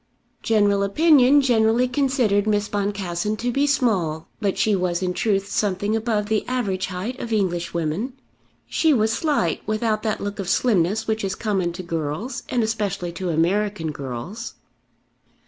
General opinion generally considered Miss Boncassen to be small, but she was in truth something above the average height of English women. She was slight, without that look of slimness which is common to girls, and especially to American girls.